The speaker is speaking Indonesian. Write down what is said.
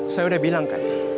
saya udah bilang kan